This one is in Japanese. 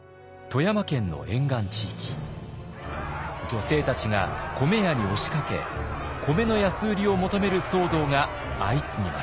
女性たちが米屋に押しかけ米の安売りを求める騒動が相次ぎます。